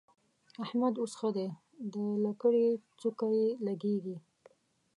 احمد اوس ښه دی؛ د لکړې څوکه يې لګېږي.